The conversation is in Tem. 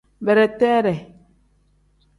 Bereteree.